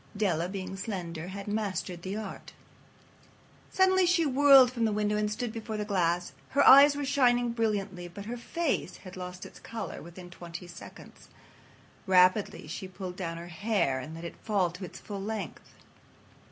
Della, being slender, had mastered the art. Suddenly she whirled from the window and stood before the glass. Her eyes were shining brilliantly, but her face had lost its color within twenty seconds. Rapidly she pulled down her hair and let it fall to its full length.